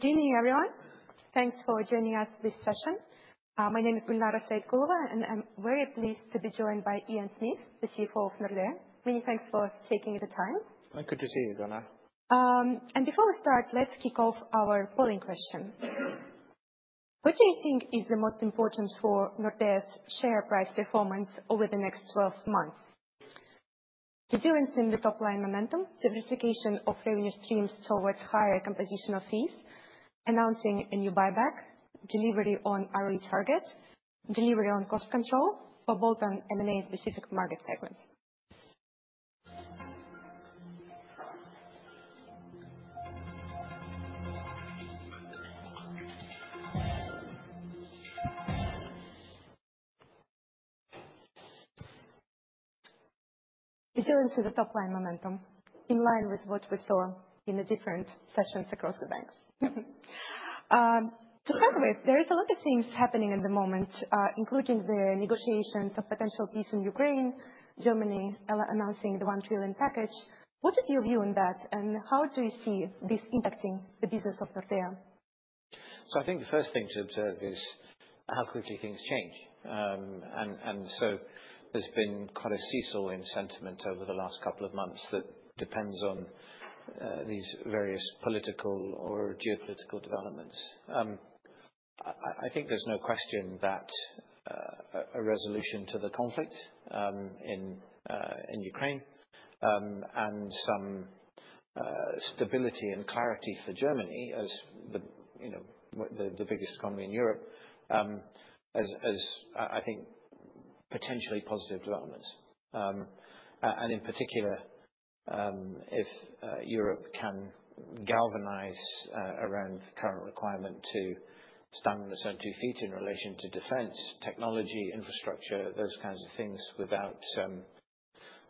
Good evening, everyone. Thanks for joining us this session. My name is Gulnara Saitkulova, and I'm very pleased to be joined by Ian Smith, the CFO of Nordea. Many thanks for taking the time. My pleasure to see you, Gulnara. Before we start, let's kick off our polling questions. What do you think is the most important for Nordea's share price performance over the next 12 months? Resilience in the top-line momentum, diversification of revenue streams towards higher compositional fees, announcing a new buyback, delivery on ROE targets, delivery on cost control for both M&A-specific market segments. Resilience in the top-line momentum, in line with what we saw in the different sessions across the banks. So, Ian, there are a lot of things happening at the moment, including the negotiations of potential peace in Ukraine, Germany announcing the $1 trillion package. What is your view on that, and how do you see this impacting the business of Nordea? I think the first thing to observe is how quickly things change. There's been quite a seesaw in sentiment over the last couple of months that depends on these various political or geopolitical developments. I think there's no question that a resolution to the conflict in Ukraine and some stability and clarity for Germany, as the biggest economy in Europe, is, I think, potentially positive developments. In particular, if Europe can galvanize around the current requirement to stand on its own two feet in relation to defense, technology, infrastructure, those kinds of things, without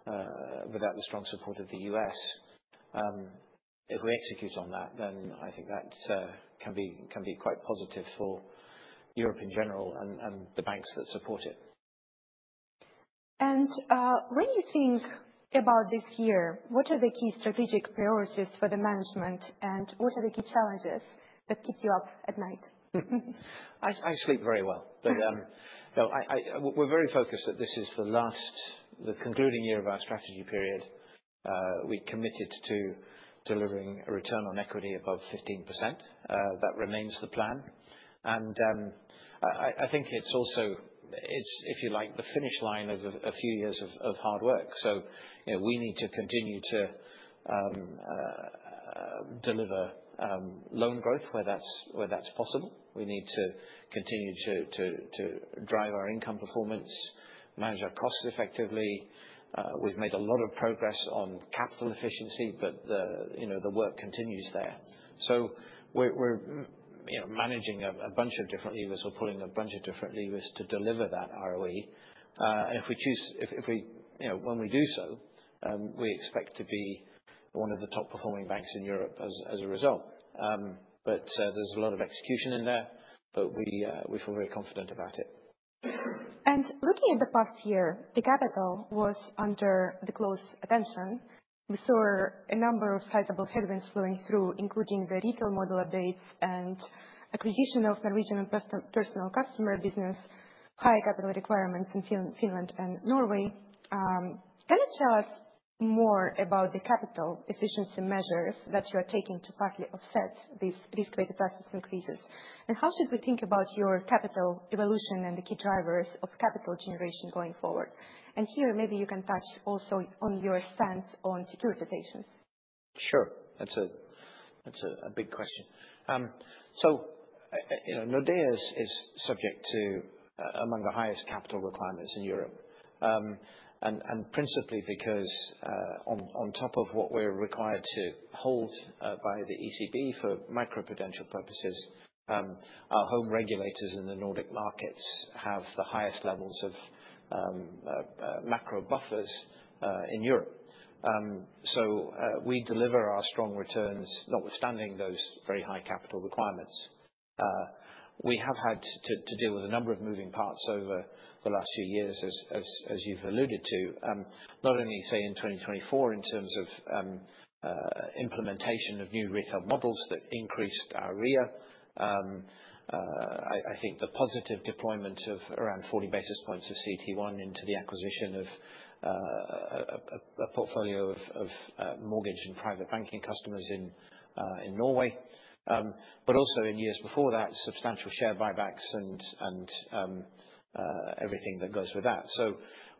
the strong support of the U.S., if we execute on that, then I think that can be quite positive for Europe in general and the banks that support it. When you think about this year, what are the key strategic priorities for the management, and what are the key challenges that keep you up at night? I sleep very well. But we're very focused that this is the concluding year of our strategy period. We committed to delivering a return on equity above 15%. That remains the plan. And I think it's also, if you like, the finish line of a few years of hard work. So, we need to continue to deliver loan growth where that's possible. We need to continue to drive our income performance, manage our costs effectively. We've made a lot of progress on capital efficiency, but the work continues there. So, we're managing a bunch of different levers or pulling a bunch of different levers to deliver that ROE. And if we choose, when we do so, we expect to be one of the top-performing banks in Europe as a result. But there's a lot of execution in there, but we feel very confident about it. Looking at the past year, the capital was under close attention. We saw a number of sizable headwinds flowing through, including the retail model updates and acquisition of Norwegian personal customer business, high capital requirements in Finland and Norway. Can you tell us more about the capital efficiency measures that you are taking to partly offset these risk-weighted assets increases? How should we think about your capital evolution and the key drivers of capital generation going forward? Here, maybe you can touch also on your stance on securitization. Sure. That's a big question. So, Nordea is subject to among the highest capital requirements in Europe. And principally because, on top of what we're required to hold by the ECB for macroprudential purposes, our home regulators in the Nordic markets have the highest levels of macro buffers in Europe. So, we deliver our strong returns, notwithstanding those very high capital requirements. We have had to deal with a number of moving parts over the last few years, as you've alluded to, not only, say, in 2024, in terms of implementation of new retail models that increased our REA. I think the positive deployment of around 40 basis points of CET1 into the acquisition of a portfolio of mortgage and private banking customers in Norway, but also in years before that, substantial share buybacks and everything that goes with that.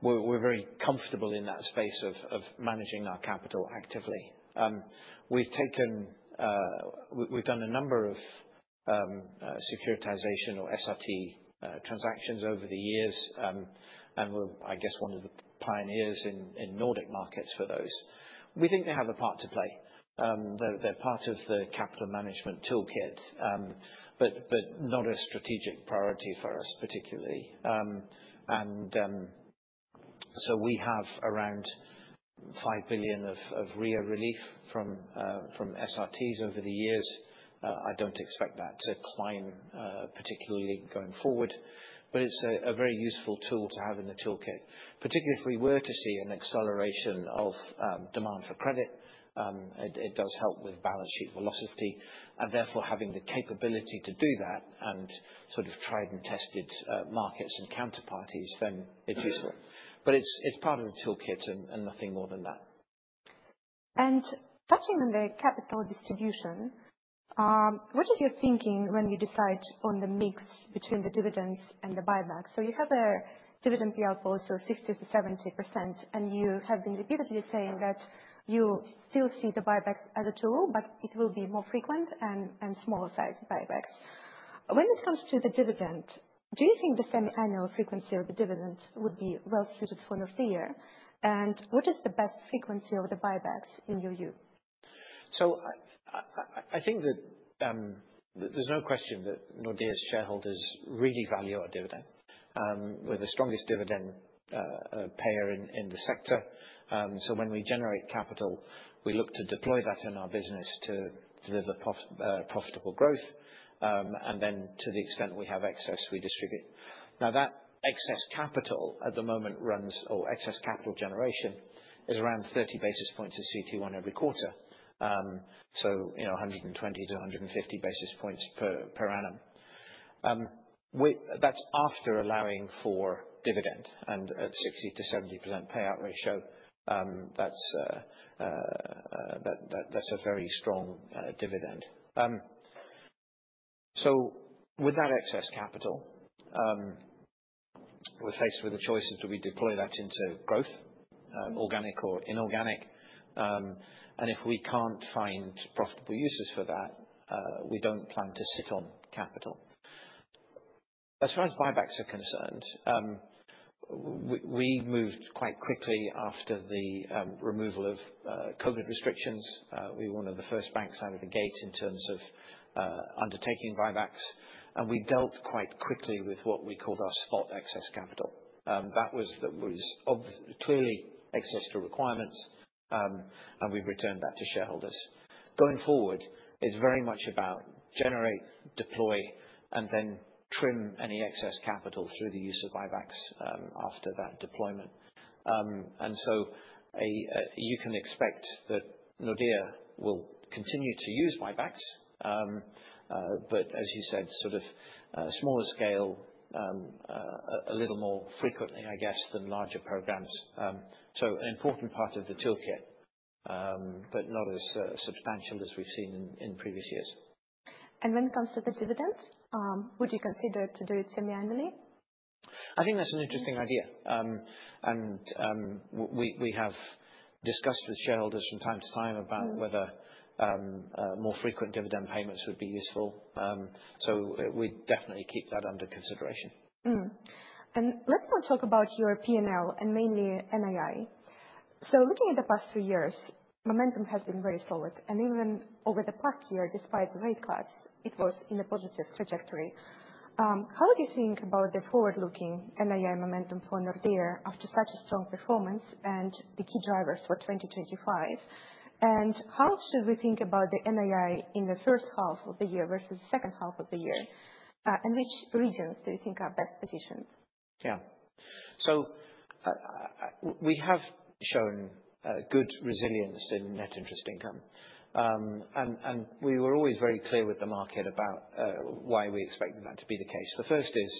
We're very comfortable in that space of managing our capital actively. We've done a number of securitization or SRT transactions over the years, and we're, I guess, one of the pioneers in Nordic markets for those. We think they have a part to play. They're part of the capital management toolkit, but not a strategic priority for us, particularly. And so, we have around $5 billion of REA relief from SRTs over the years. I don't expect that to climb particularly going forward, but it's a very useful tool to have in the toolkit, particularly if we were to see an acceleration of demand for credit. It does help with balance sheet velocity. And therefore, having the capability to do that and sort of tried and tested markets and counterparties, then it's useful. But it's part of the toolkit and nothing more than that. Touching on the capital distribution, what is your thinking when you decide on the mix between the dividends and the buybacks? You have a dividend payout also of 60%-70%, and you have been repeatedly saying that you still see the buybacks as a tool, but it will be more frequent and smaller-sized buybacks. When it comes to the dividend, do you think the semi-annual frequency of the dividends would be well-suited for Nordea? What is the best frequency of the buybacks in your view? I think that there's no question that Nordea's shareholders really value our dividend. We're the strongest dividend payer in the sector. When we generate capital, we look to deploy that in our business to deliver profitable growth. And then, to the extent we have excess, we distribute. Now, that excess capital at the moment runs, or excess capital generation, is around 30 basis points of CET1 every quarter, so 120-150 basis points per annum. That's after allowing for dividend. And at 60%-70% payout ratio, that's a very strong dividend. With that excess capital, we're faced with a choice as to whether we deploy that into growth, organic or inorganic. And if we can't find profitable uses for that, we don't plan to sit on capital. As far as buybacks are concerned, we moved quite quickly after the removal of COVID restrictions. We were one of the first banks out of the gate in terms of undertaking buybacks. We dealt quite quickly with what we called our spot excess capital. That was clearly excess to requirements, and we've returned that to shareholders. Going forward, it's very much about generate, deploy, and then trim any excess capital through the use of buybacks after that deployment. You can expect that Nordea will continue to use buybacks, but, as you said, sort of smaller scale, a little more frequently, I guess, than larger programs. An important part of the toolkit, but not as substantial as we've seen in previous years. When it comes to the dividends, would you consider to do it semi-annually? I think that's an interesting idea. And we have discussed with shareholders from time to time about whether more frequent dividend payments would be useful. So, we definitely keep that under consideration. Let's now talk about your P&L and mainly NII. Looking at the past few years, momentum has been very solid. Even over the past year, despite the rate cuts, it was in a positive trajectory. How do you think about the forward-looking NII momentum for Nordea after such a strong performance and the key drivers for 2025? How should we think about the NII in the first half of the year versus the second half of the year? Which regions do you think are best positioned? Yeah, so we have shown good resilience in net interest income, and we were always very clear with the market about why we expected that to be the case. The first is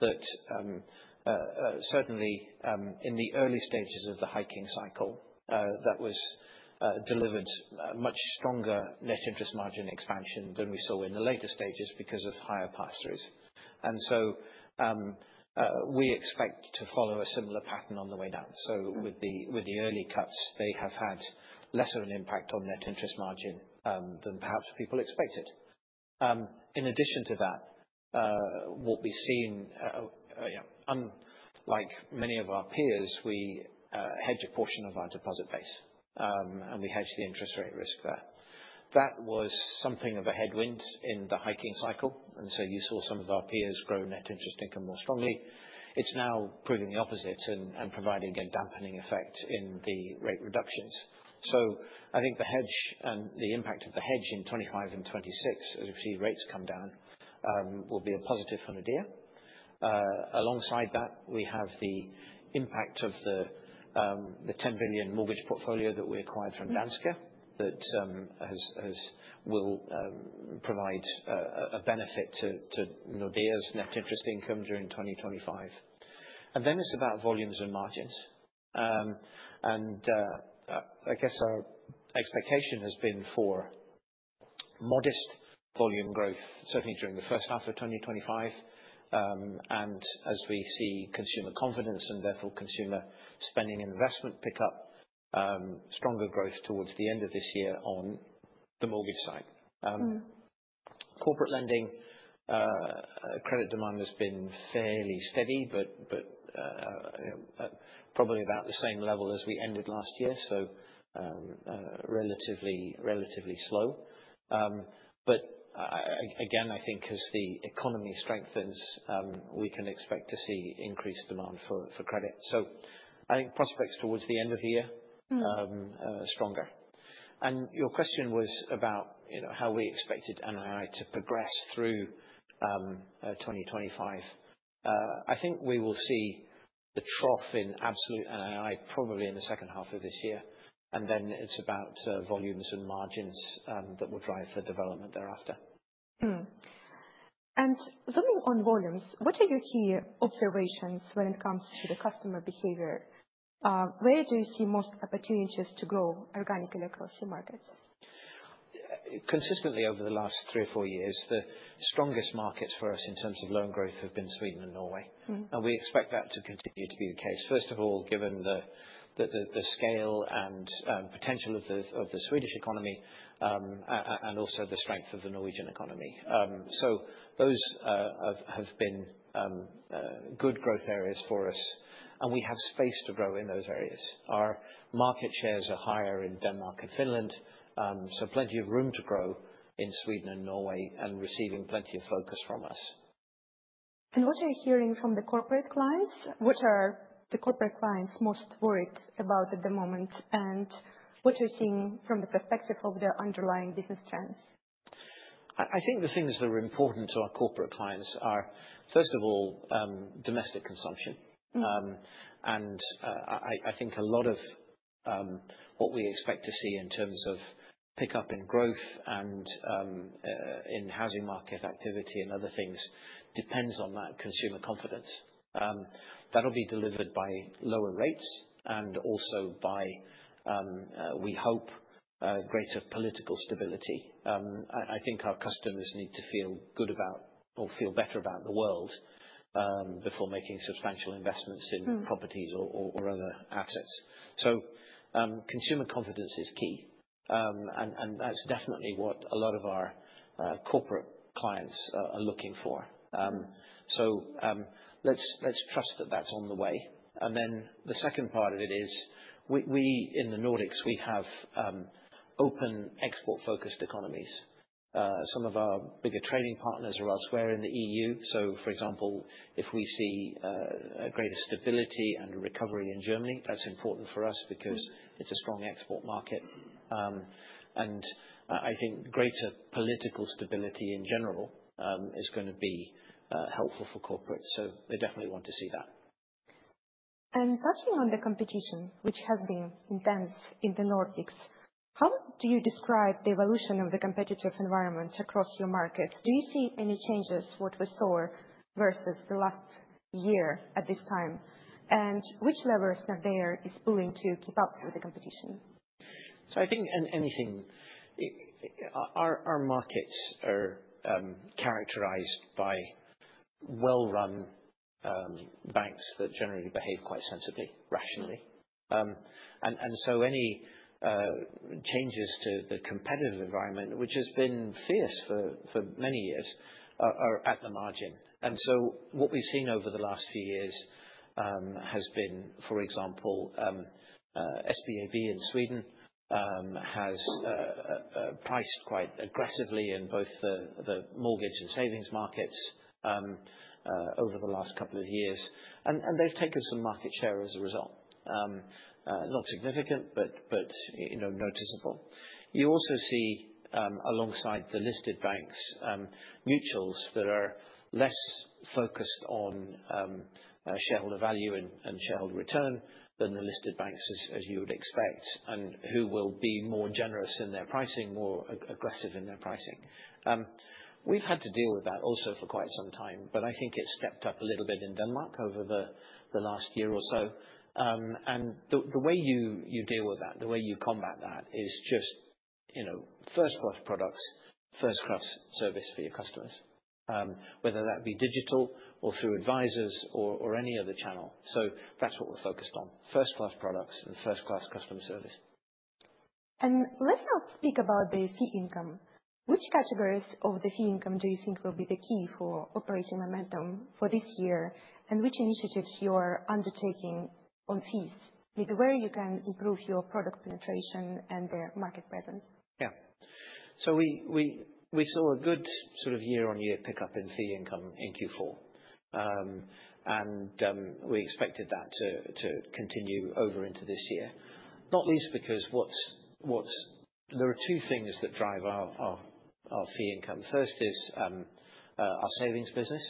that certainly, in the early stages of the hiking cycle, that was delivered much stronger net interest margin expansion than we saw in the later stages because of higher pass-throughs, and so we expect to follow a similar pattern on the way down, so with the early cuts, they have had less of an impact on net interest margin than perhaps people expected. In addition to that, what we've seen, unlike many of our peers, we hedge a portion of our deposit base, and we hedge the interest rate risk there. That was something of a headwind in the hiking cycle, and so you saw some of our peers grow net interest income more strongly. It's now proving the opposite and providing a dampening effect in the rate reductions. So, I think the impact of the hedge in 2025 and 2026, as we see rates come down, will be a positive for Nordea. Alongside that, we have the impact of the $10 billion mortgage portfolio that we acquired from Danske that will provide a benefit to Nordea's net interest income during 2025. And then, it's about volumes and margins. And I guess our expectation has been for modest volume growth, certainly during the first half of 2025. And as we see consumer confidence and therefore consumer spending and investment pickup, stronger growth towards the end of this year on the mortgage side. Corporate lending, credit demand has been fairly steady, but probably about the same level as we ended last year, so relatively slow. But again, I think as the economy strengthens, we can expect to see increased demand for credit. So, I think prospects towards the end of the year, stronger. And your question was about how we expected NII to progress through 2025. I think we will see the trough in absolute NII probably in the second half of this year. And then, it's about volumes and margins that will drive the development thereafter. Zooming on volumes, what are your key observations when it comes to the customer behavior? Where do you see most opportunities to grow organically across your markets? Consistently over the last three or four years, the strongest markets for us in terms of loan growth have been Sweden and Norway, and we expect that to continue to be the case. First of all, given the scale and potential of the Swedish economy and also the strength of the Norwegian economy, so those have been good growth areas for us, and we have space to grow in those areas. Our market shares are higher in Denmark and Finland, so plenty of room to grow in Sweden and Norway, and receiving plenty of focus from us. And what are you hearing from the corporate clients? What are the corporate clients most worried about at the moment? And what are you seeing from the perspective of their underlying business trends? I think the things that are important to our corporate clients are, first of all, domestic consumption. And I think a lot of what we expect to see in terms of pickup in growth and in housing market activity and other things depends on that consumer confidence. That will be delivered by lower rates and also by, we hope, greater political stability. I think our customers need to feel good about or feel better about the world before making substantial investments in properties or other assets. So, consumer confidence is key. And that's definitely what a lot of our corporate clients are looking for. So, let's trust that that's on the way. And then, the second part of it is, in the Nordics, we have open export-focused economies. Some of our bigger trading partners are elsewhere in the EU. So, for example, if we see greater stability and recovery in Germany, that's important for us because it's a strong export market. And I think greater political stability in general is going to be helpful for corporates. So, they definitely want to see that. Touching on the competition, which has been intense in the Nordics, how do you describe the evolution of the competitive environment across your markets? Do you see any changes what we saw versus the last year at this time? Which levers are there in your portfolio to keep up with the competition? So, I think anything. Our markets are characterized by well-run banks that generally behave quite sensibly, rationally. And so, any changes to the competitive environment, which has been fierce for many years, are at the margin. And so, what we've seen over the last few years has been, for example, SBAB in Sweden has priced quite aggressively in both the mortgage and savings markets over the last couple of years. And they've taken some market share as a result, not significant, but noticeable. You also see, alongside the listed banks, mutuals that are less focused on shareholder value and shareholder return than the listed banks, as you would expect, and who will be more generous in their pricing, more aggressive in their pricing. We've had to deal with that also for quite some time, but I think it's stepped up a little bit in Denmark over the last year or so, and the way you deal with that, the way you combat that, is just first-class products, first-class service for your customers, whether that be digital or through advisors or any other channel, so that's what we're focused on, first-class products and first-class customer service. Let's now speak about the fee income. Which categories of the fee income do you think will be the key for operating momentum for this year? Which initiatives you are undertaking on fees? Maybe where you can improve your product penetration and the market presence. Yeah. So, we saw a good sort of year-on-year pickup in fee income in Q4, and we expected that to continue over into this year, not least because there are two things that drive our fee income. First is our savings business,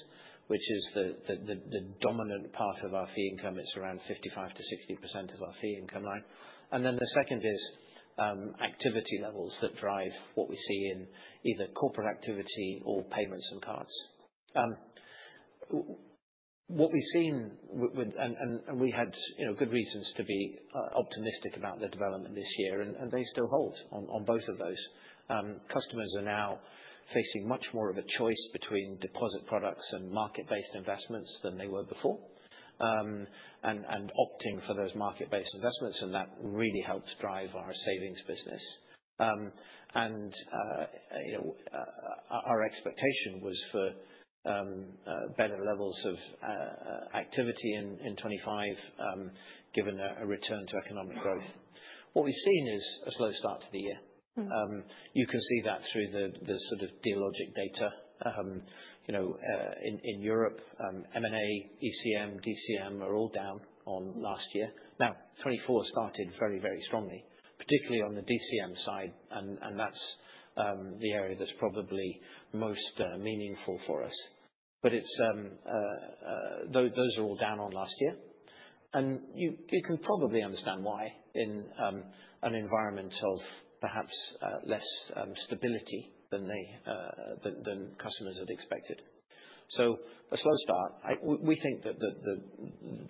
which is the dominant part of our fee income. It's around 55%-60% of our fee income line, and then, the second is activity levels that drive what we see in either corporate activity or payments and cards. What we've seen, and we had good reasons to be optimistic about the development this year, and they still hold on both of those. Customers are now facing much more of a choice between deposit products and market-based investments than they were before, and opting for those market-based investments, and that really helps drive our savings business. Our expectation was for better levels of activity in 2025, given a return to economic growth. What we've seen is a slow start to the year. You can see that through the sort of Dealogic data in Europe. M&A, ECM, DCM are all down on last year. Now, 2024 started very, very strongly, particularly on the DCM side. That's the area that's probably most meaningful for us. Those are all down on last year. You can probably understand why in an environment of perhaps less stability than customers had expected. A slow start. We think that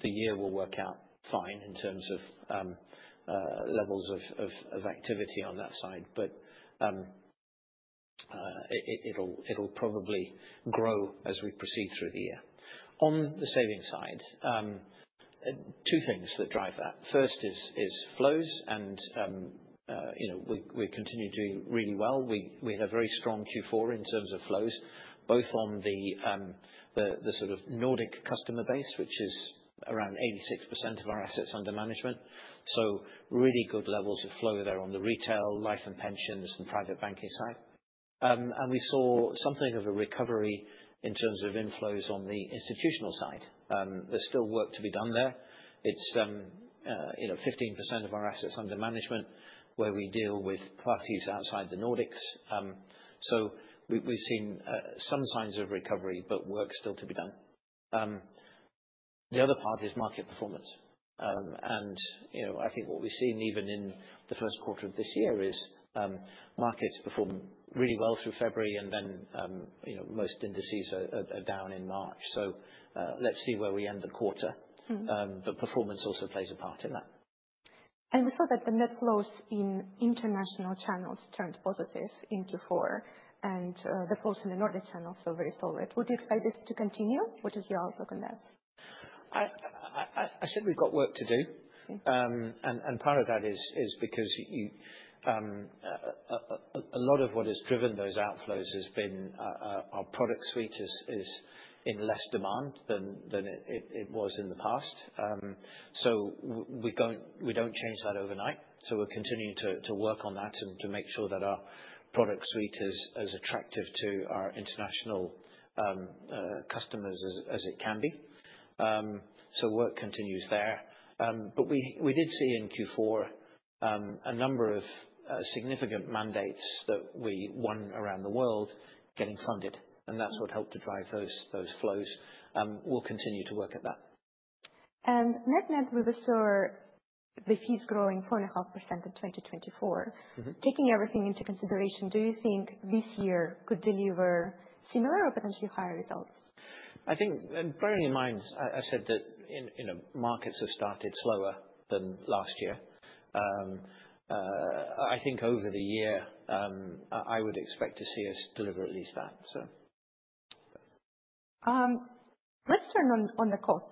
the year will work out fine in terms of levels of activity on that side. It'll probably grow as we proceed through the year. On the savings side, two things that drive that. First is flows. We continue to do really well. We had a very strong Q4 in terms of flows, both on the sort of Nordic customer base, which is around 86% of our assets under management, so really good levels of flow there on the retail, life and pensions, and private banking side, and we saw something of a recovery in terms of inflows on the institutional side. There's still work to be done there. It's 15% of our assets under management where we deal with parties outside the Nordics, so we've seen some signs of recovery, but work still to be done. The other part is market performance, and I think what we've seen even in the first quarter of this year is markets performed really well through February, and then most indices are down in March, so let's see where we end the quarter, but performance also plays a part in that. We saw that the net flows in international channels turned positive in Q4, and the flows in the Nordic channels are very solid. Would you expect this to continue? What is your outlook on that? I said we've got work to do, and part of that is because a lot of what has driven those outflows has been our product suite is in less demand than it was in the past, so we don't change that overnight, so we're continuing to work on that and to make sure that our product suite is as attractive to our international customers as it can be, so work continues there, but we did see in Q4 a number of significant mandates that we won around the world getting funded, and that's what helped to drive those flows. We'll continue to work at that. Net-net, we saw the fees growing 4.5% in 2024. Taking everything into consideration, do you think this year could deliver similar or potentially higher results? I think, bearing in mind, I said that markets have started slower than last year. I think over the year, I would expect to see us deliver at least that, so. Let's turn to the costs.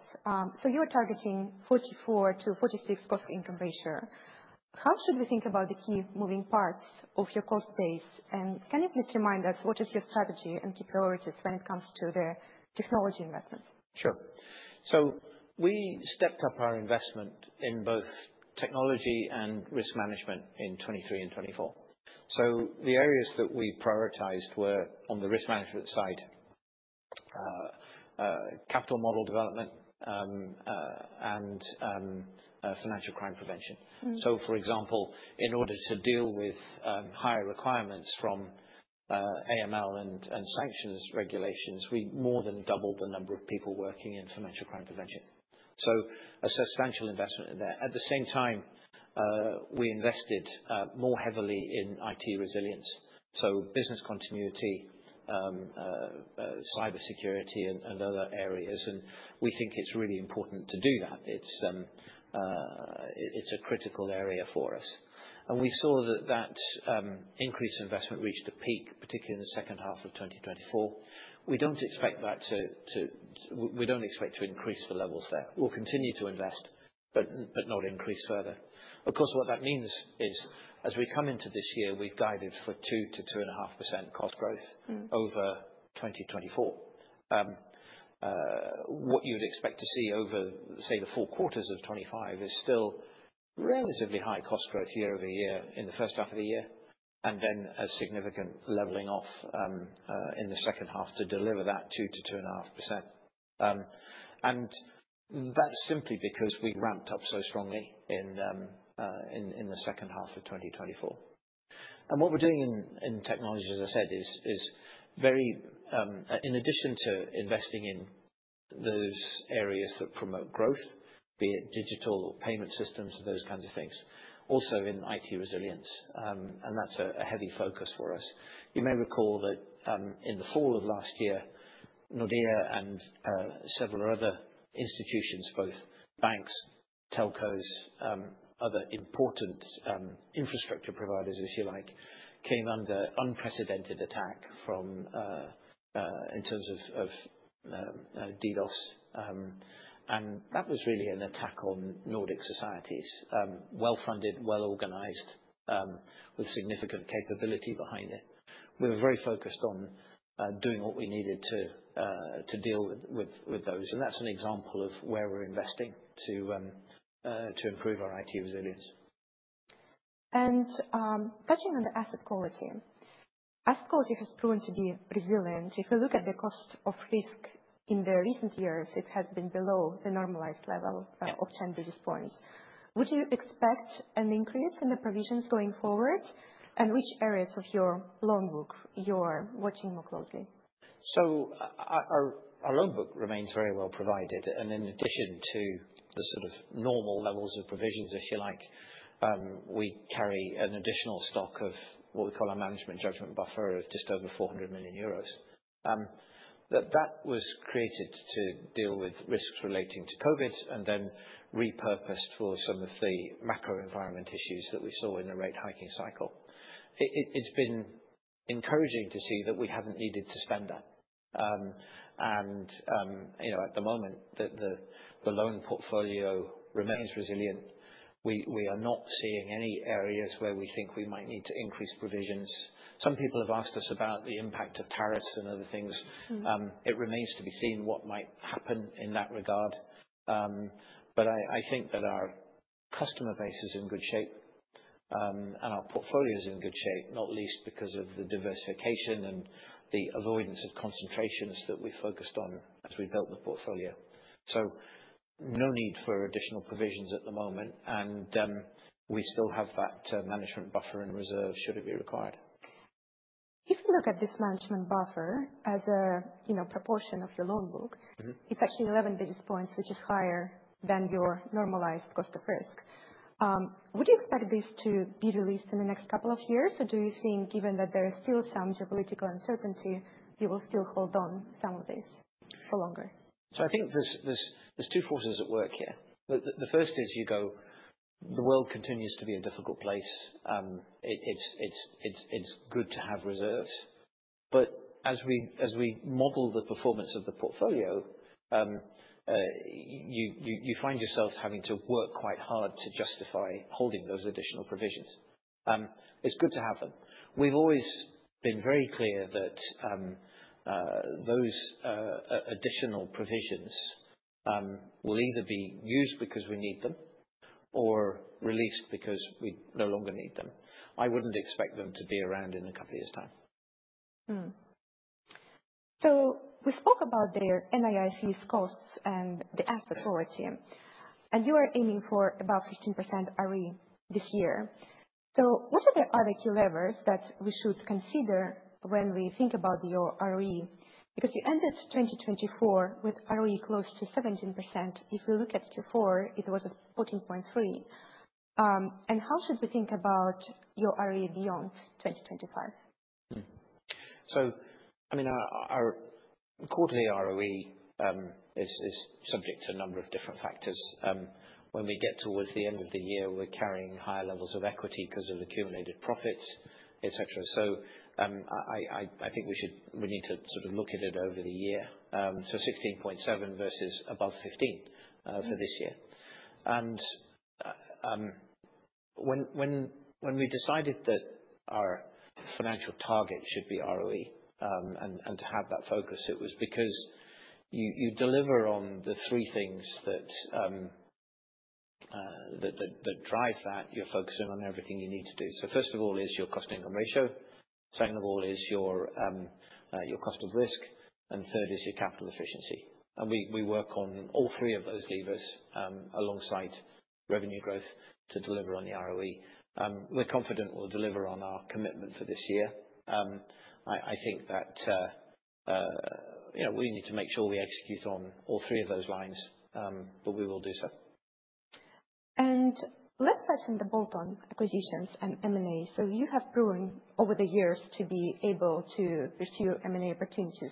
So, you are targeting 44%-46% cost-to-income ratio. How should we think about the key moving parts of your cost base? And can you please remind us what is your strategy and key priorities when it comes to the technology investments? Sure. So, we stepped up our investment in both technology and risk management in 2023 and 2024. So, the areas that we prioritized were on the risk management side, capital model development, and financial crime prevention. So, for example, in order to deal with higher requirements from AML and sanctions regulations, we more than doubled the number of people working in financial crime prevention. So, a substantial investment there. At the same time, we invested more heavily in IT resilience. So, business continuity, cybersecurity, and other areas. And we think it's really important to do that. It's a critical area for us. And we saw that increased investment reached a peak, particularly in the second half of 2024. We don't expect to increase the levels there. We'll continue to invest, but not increase further. Of course, what that means is, as we come into this year, we've guided for 2%-2.5% cost growth over 2024. What you would expect to see over, say, the four quarters of 2025 is still relatively high cost growth year over year in the first half of the year, and then a significant leveling off in the second half to deliver that 2%-2.5%. And that's simply because we ramped up so strongly in the second half of 2024. And what we're doing in technology, as I said, is very, in addition to investing in those areas that promote growth, be it digital or payment systems or those kinds of things, also in IT resilience. And that's a heavy focus for us. You may recall that in the fall of last year, Nordea and several other institutions, both banks, telcos, other important infrastructure providers, if you like, came under unprecedented attack in terms of DDoS. And that was really an attack on Nordic societies, well-funded, well-organized, with significant capability behind it. We were very focused on doing what we needed to deal with those. And that's an example of where we're investing to improve our IT resilience. Touching on the asset quality, asset quality has proven to be resilient. If you look at the cost of risk in the recent years, it has been below the normalized level of 10 basis points. Would you expect an increase in the provisions going forward? Which areas of your loan book you are watching more closely? So, our loan book remains very well provided. And in addition to the sort of normal levels of provisions, if you like, we carry an additional stock of what we call our management judgment buffer of just over 400 million euros. That was created to deal with risks relating to COVID and then repurposed for some of the macro environment issues that we saw in the rate hiking cycle. It's been encouraging to see that we haven't needed to spend that. And at the moment, the loan portfolio remains resilient. We are not seeing any areas where we think we might need to increase provisions. Some people have asked us about the impact of tariffs and other things. It remains to be seen what might happen in that regard. But I think that our customer base is in good shape and our portfolio is in good shape, not least because of the diversification and the avoidance of concentrations that we focused on as we built the portfolio. So, no need for additional provisions at the moment. And we still have that management buffer and reserve should it be required. If we look at this management buffer as a proportion of your loan book, it's actually 11 basis points, which is higher than your normalized cost of risk. Would you expect this to be released in the next couple of years? Or do you think, given that there is still some geopolitical uncertainty, you will still hold on some of this for longer? So, I think there's two forces at work here. The first is you go, the world continues to be a difficult place. It's good to have reserves. But as we model the performance of the portfolio, you find yourself having to work quite hard to justify holding those additional provisions. It's good to have them. We've always been very clear that those additional provisions will either be used because we need them or released because we no longer need them. I wouldn't expect them to be around in a couple of years' time. So, we spoke about the NII, costs and the asset quality. And you are aiming for about 15% ROE this year. So, what are the other key levers that we should consider when we think about your ROE? Because you ended 2024 with ROE close to 17%. If we look at Q4, it was 14.3%. And how should we think about your ROE beyond 2025? So, I mean, our quarterly ROE is subject to a number of different factors. When we get towards the end of the year, we're carrying higher levels of equity because of accumulated profits, etc. So, I think we need to sort of look at it over the year. So, 16.7% versus above 15% for this year. And when we decided that our financial target should be ROE and to have that focus, it was because you deliver on the three things that drive that. You're focusing on everything you need to do. So, first of all is your cost income ratio. Second of all is your cost of risk. And third is your capital efficiency. And we work on all three of those levers alongside revenue growth to deliver on the ROE. We're confident we'll deliver on our commitment for this year. I think that we need to make sure we execute on all three of those lines, but we will do so. Let's touch on the bolt-on acquisitions and M&A. You have proven over the years to be able to pursue M&A opportunities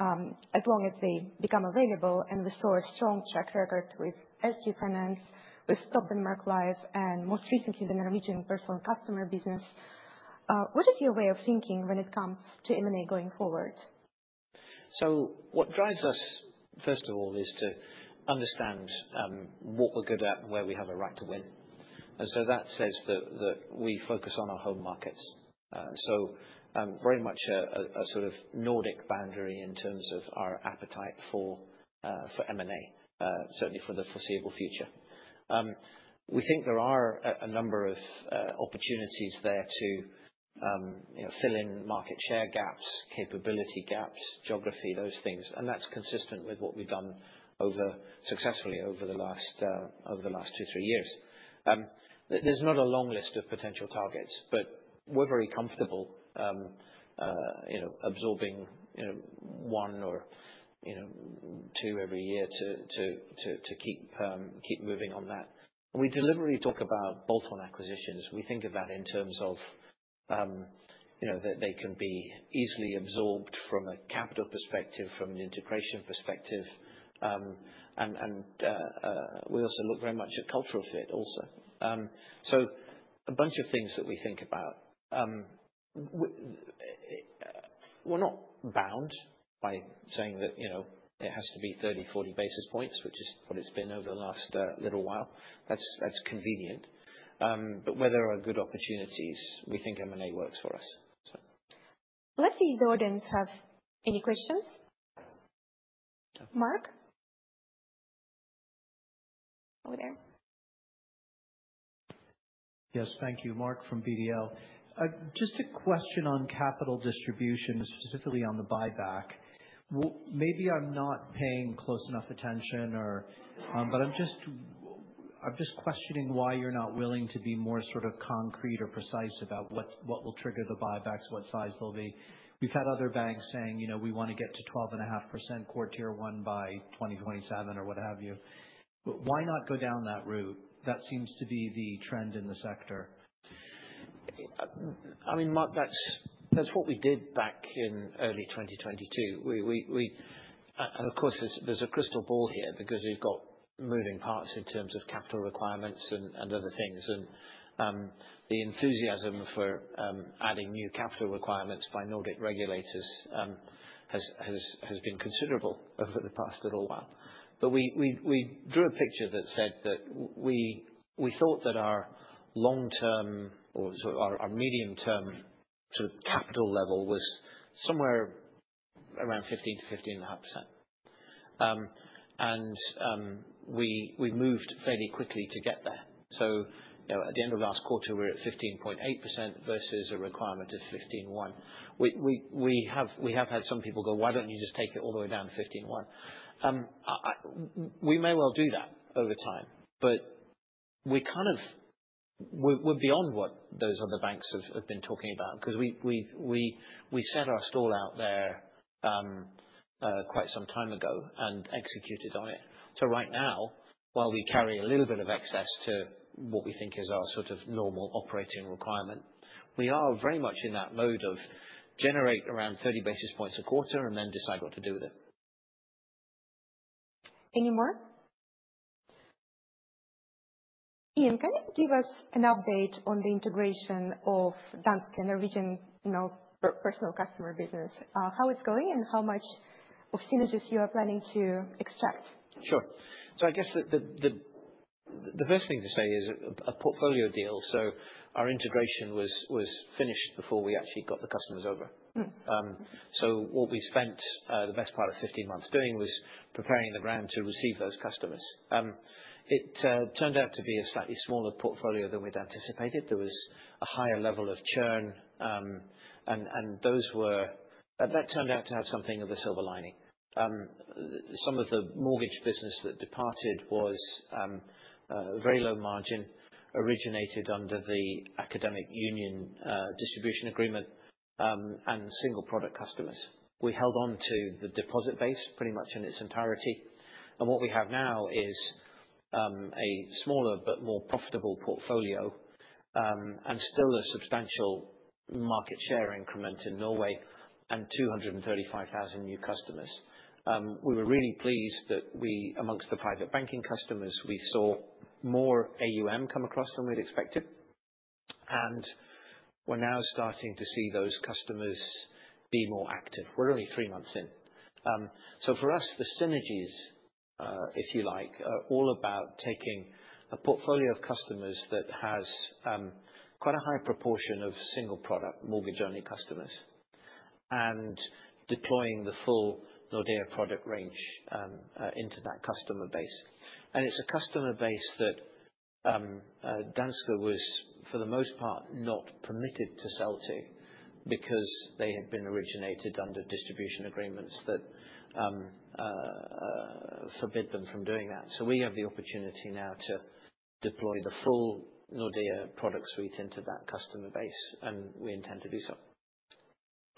as long as they become available. We saw a strong track record with SG Finans, with Topdanmark Liv, and most recently the Norwegian personal customer business. What is your way of thinking when it comes to M&A going forward? So, what drives us, first of all, is to understand what we're good at and where we have a right to win. And so, that says that we focus on our home markets. So, very much a sort of Nordic boundary in terms of our appetite for M&A, certainly for the foreseeable future. We think there are a number of opportunities there to fill in market share gaps, capability gaps, geography, those things. And that's consistent with what we've done successfully over the last two to three years. There's not a long list of potential targets, but we're very comfortable absorbing one or two every year to keep moving on that. We deliberately talk about bolt-on acquisitions. We think of that in terms of that they can be easily absorbed from a capital perspective, from an integration perspective. And we also look very much at cultural fit also. So, a bunch of things that we think about. We're not bound by saying that it has to be 30, 40 basis points, which is what it's been over the last little while. That's convenient. But where there are good opportunities, we think M&A works for us. Let's see if the audience have any questions. Marc? Over there. Yes, thank you. Marc from BDL. Just a question on capital distribution, specifically on the buyback. Maybe I'm not paying close enough attention, but I'm just questioning why you're not willing to be more sort of concrete or precise about what will trigger the buybacks, what size they'll be. We've had other banks saying, "We want to get to 12.5% CET1 by 2027," or what have you. Why not go down that route? That seems to be the trend in the sector. I mean, Marc, that's what we did back in early 2022. And of course, there's a crystal ball here because we've got moving parts in terms of capital requirements and other things. And the enthusiasm for adding new capital requirements by Nordic regulators has been considerable over the past little while. But we drew a picture that said that we thought that our long-term or our medium-term sort of capital level was somewhere around 15%-15.5%. And we moved fairly quickly to get there. So, at the end of last quarter, we're at 15.8% versus a requirement of 15.1%. We have had some people go, "Why don't you just take it all the way down to 15.1%?" We may well do that over time, but we're kind of beyond what those other banks have been talking about because we set our stall out there quite some time ago and executed on it. So, right now, while we carry a little bit of excess to what we think is our sort of normal operating requirement, we are very much in that mode of generate around 30 basis points a quarter and then decide what to do with it. Any more? Ian, can you give us an update on the integration of Danske Norwegian personal customer business? How it's going and how much of synergies you are planning to extract? Sure. So, I guess the first thing to say is a portfolio deal. So, our integration was finished before we actually got the customers over. So, what we spent the best part of 15 months doing was preparing the ground to receive those customers. It turned out to be a slightly smaller portfolio than we'd anticipated. There was a higher level of churn. And that turned out to have something of a silver lining. Some of the mortgage business that departed was very low margin, originated under the Academic Union distribution agreement, and single-product customers. We held on to the deposit base pretty much in its entirety. And what we have now is a smaller but more profitable portfolio and still a substantial market share increment in Norway and 235,000 new customers. We were really pleased that among the private banking customers, we saw more AUM come across than we'd expected. And we're now starting to see those customers be more active. We're only three months in. So, for us, the synergies, if you like, are all about taking a portfolio of customers that has quite a high proportion of single-product mortgage-only customers and deploying the full Nordea product range into that customer base. And it's a customer base that Danske was, for the most part, not permitted to sell to because they had been originated under distribution agreements that forbid them from doing that. So, we have the opportunity now to deploy the full Nordea product suite into that customer base. And we intend to do so.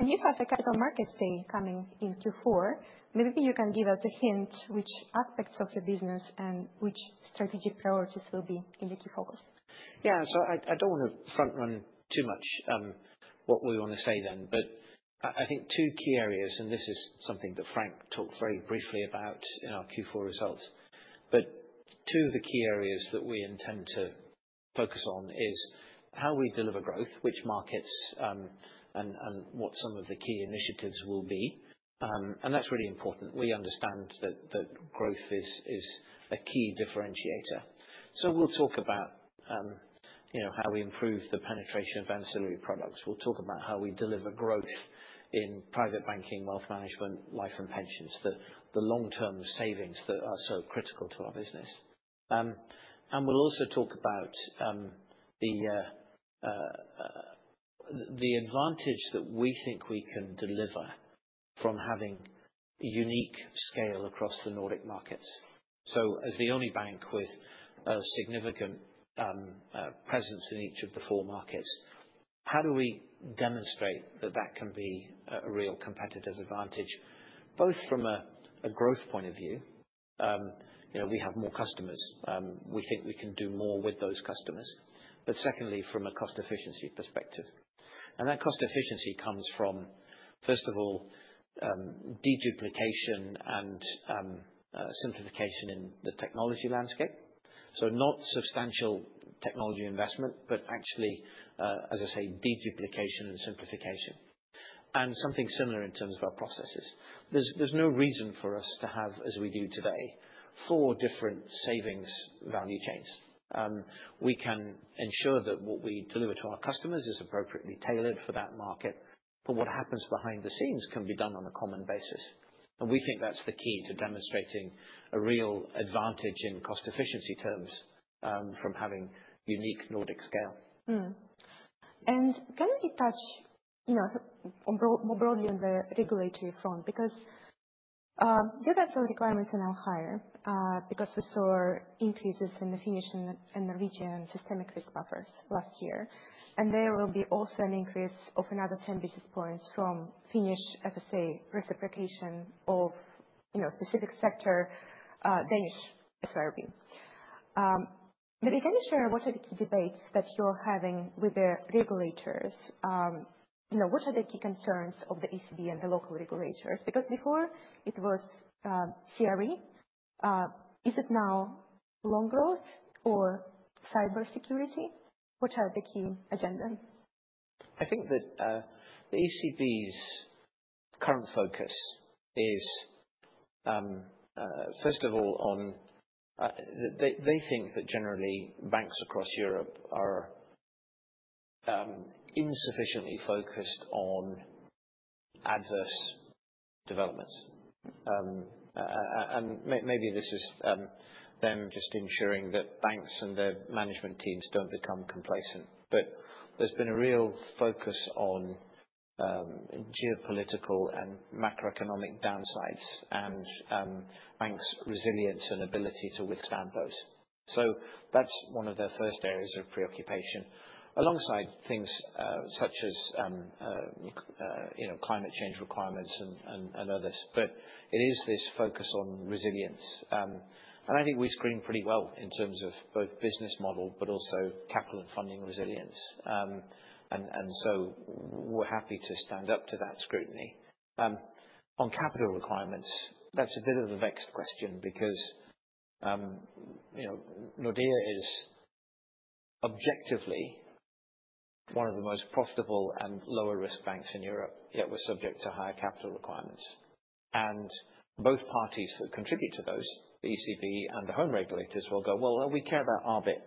You've had the capital markets thing coming in Q4. Maybe you can give us a hint which aspects of your business and which strategic priorities will be in the key focus? Yeah. So, I don't want to front-run too much what we want to say then, but I think two key areas, and this is something that Frank talked very briefly about in our Q4 results, but two of the key areas that we intend to focus on is how we deliver growth, which markets, and what some of the key initiatives will be, and that's really important. We understand that growth is a key differentiator, so we'll talk about how we improve the penetration of ancillary products. We'll talk about how we deliver growth in private banking, wealth management, life, and pensions, the long-term savings that are so critical to our business. And we'll also talk about the advantage that we think we can deliver from having unique scale across the Nordic markets. So, as the only bank with a significant presence in each of the four markets, how do we demonstrate that that can be a real competitive advantage, both from a growth point of view? We have more customers. We think we can do more with those customers. But secondly, from a cost efficiency perspective. And that cost efficiency comes from, first of all, deduplication and simplification in the technology landscape. So, not substantial technology investment, but actually, as I say, deduplication and simplification. And something similar in terms of our processes. There's no reason for us to have, as we do today, four different savings value chains. We can ensure that what we deliver to our customers is appropriately tailored for that market. But what happens behind the scenes can be done on a common basis. We think that's the key to demonstrating a real advantage in cost efficiency terms from having unique Nordic scale. Can we touch more broadly on the regulatory front? Because your capital requirements are now higher because we saw increases in the Finnish and Norwegian systemic risk buffers last year. There will be also an increase of another 10 basis points from Finnish FSA reciprocation of specific sector, Danish SRB. Maybe can you share what are the key debates that you're having with the regulators? What are the key concerns of the ECB and the local regulators? Because before, it was CRE. Is it now loan growth or cybersecurity? What are the key agendas? I think that the ECB's current focus is, first of all, on they think that generally banks across Europe are insufficiently focused on adverse developments. And maybe this is them just ensuring that banks and their management teams don't become complacent. But there's been a real focus on geopolitical and macroeconomic downsides and banks' resilience and ability to withstand those. So, that's one of their first areas of preoccupation, alongside things such as climate change requirements and others. But it is this focus on resilience. And I think we screen pretty well in terms of both business model, but also capital and funding resilience. And so, we're happy to stand up to that scrutiny. On capital requirements, that's a bit of a vexed question because Nordea is objectively one of the most profitable and lower-risk banks in Europe, yet we're subject to higher capital requirements. Both parties that contribute to those, the ECB and the home regulators, will go, "Well, we care about our bit.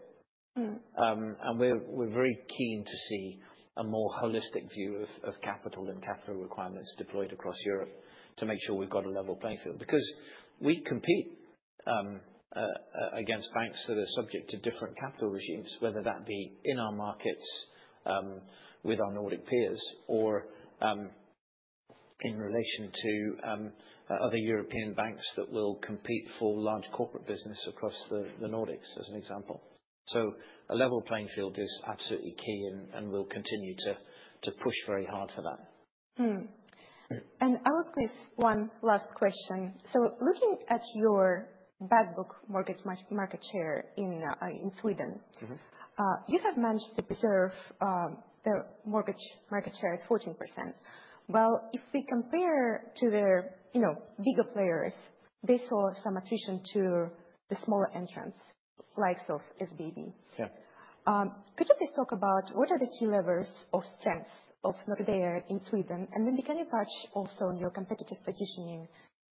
And we're very keen to see a more holistic view of capital and capital requirements deployed across Europe to make sure we've got a level playing field." Because we compete against banks that are subject to different capital regimes, whether that be in our markets with our Nordic peers or in relation to other European banks that will compete for large corporate business across the Nordics, as an example. A level playing field is absolutely key and we'll continue to push very hard for that. I would place one last question. Looking at your backbook mortgage market share in Sweden, you have managed to preserve the mortgage market share at 14%. If we compare to the bigger players, they saw some attrition to the smaller entrants, like SBAB. Could you please talk about what are the key levers of strength of Nordea in Sweden? Maybe you can also touch on your competitive positioning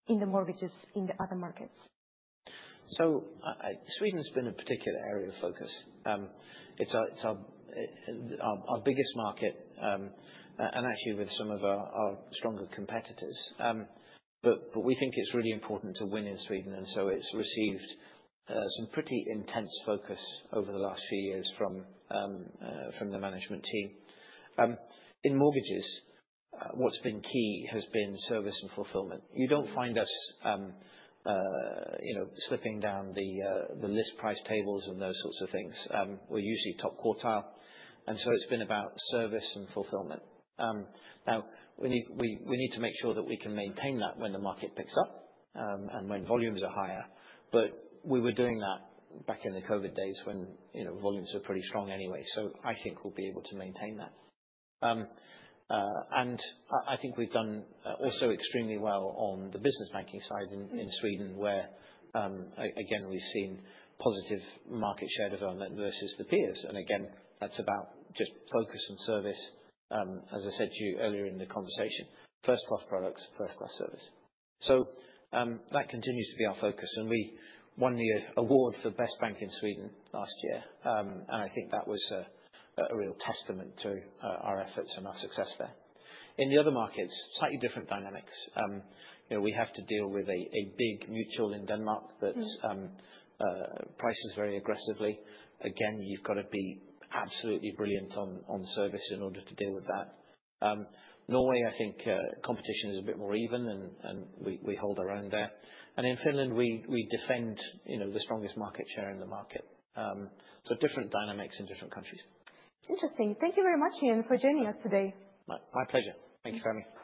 in the mortgages in the other markets? So, Sweden's been a particular area of focus. It's our biggest market and actually with some of our stronger competitors. But we think it's really important to win in Sweden. And so, it's received some pretty intense focus over the last few years from the management team. In mortgages, what's been key has been service and fulfillment. You don't find us slipping down the list price tables and those sorts of things. We're usually top quartile. And so, it's been about service and fulfillment. Now, we need to make sure that we can maintain that when the market picks up and when volumes are higher. But we were doing that back in the COVID days when volumes were pretty strong anyway. So, I think we'll be able to maintain that. And I think we've done also extremely well on the business banking side in Sweden, where, again, we've seen positive market share development versus the peers. And again, that's about just focus and service, as I said to you earlier in the conversation, first-class products, first-class service. So, that continues to be our focus. And we won the award for best bank in Sweden last year. And I think that was a real testament to our efforts and our success there. In the other markets, slightly different dynamics. We have to deal with a big mutual in Denmark that prices very aggressively. Again, you've got to be absolutely brilliant on service in order to deal with that. Norway, I think competition is a bit more even and we hold our own there. And in Finland, we defend the strongest market share in the market. So, different dynamics in different countries. Interesting. Thank you very much, Ian, for joining us today. My pleasure. Thank you for having me.